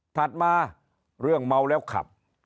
ถัดมาเรื่องเมาแล้วขับ